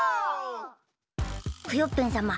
クヨッペンさま